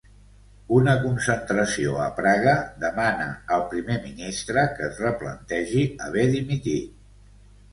Una concentració a Praga demana al primer ministre que es replantegi haver dimitit